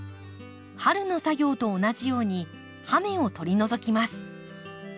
春の作業と同じように葉芽を取り除きます。